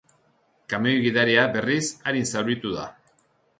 Kamioi gidaria, berriz, arin zauritu da.